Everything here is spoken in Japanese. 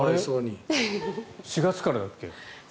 ４月からだっけ？